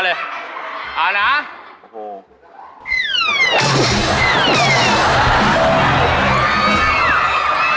เดินไปแนรน